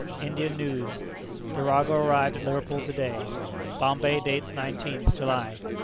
Indian news. Virago arrived at Liverpool to day; Bombay dates nineteenth July.